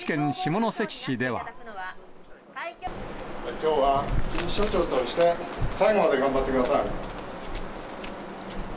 きょうは、一日署長として、最後まで頑張ってください。